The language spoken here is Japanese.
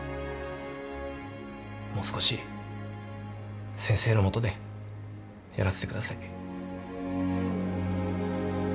もう少し先生の下でやらせてください。